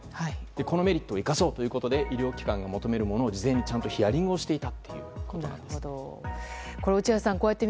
このメリットを生かそうということで医療機関が求めるものを事前にヒアリングしていた。